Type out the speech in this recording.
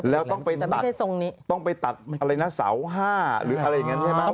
แล้วต้องไปตัดต้องไปตัดอะไรนะเสา๕หรืออะไรอย่างนั้นใช่ไหม